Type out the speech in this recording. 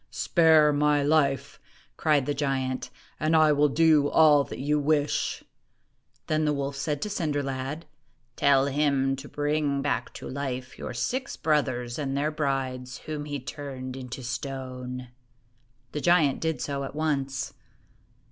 "Spare my life," cried the giant, "and I will do all that you wish !" Then the wolf said to Cinder lad, " Tell him to bring back to life your six brothers and their brides, whom he turned into stone." The giant did so at once.